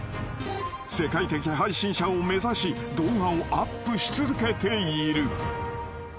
［世界的配信者を目指し動画をアップし続けている］